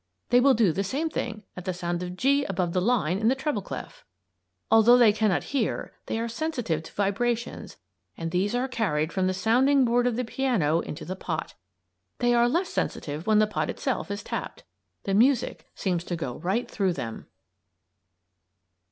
They will do the same thing at the sound of G above the line in the treble clef. Although they cannot hear, they are sensitive to vibrations, and these are carried from the sounding board of the piano into the pot. They are less sensitive when the pot itself is tapped. The music seems to go right through them.